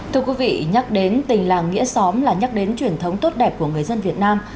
thưa quý vị nhắc đến tình làng nghĩa xóm là nhắc đến truyền thống tốt đẹp của người dân việt nam